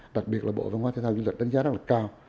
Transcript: đặc biệt là bộ văn hóa thế giao dân lực đánh giá rất là cao